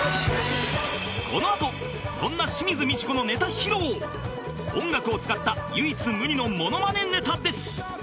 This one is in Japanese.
このあとそんな清水ミチコのネタ披露音楽を使った唯一無二のモノマネネタです